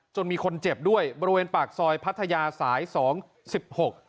มีคนเจ็บด้วยบริเวณปากซอยพัทยาสายสองสิบหก